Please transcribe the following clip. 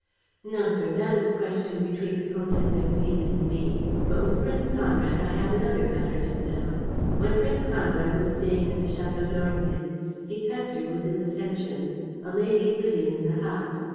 "No, sir, that is a question between the Comtesse Hermine and me; but with Prince Conrad I have another matter to settle. When Prince Conrad was staying at the Château d'Ornequin, he pestered with his attentions a lady living in the house.